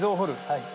はい。